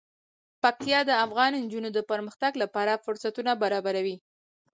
پکتیا د افغان نجونو د پرمختګ لپاره فرصتونه برابروي.